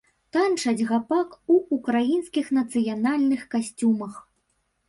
Танчаць гапак у украінскіх нацыянальных касцюмах.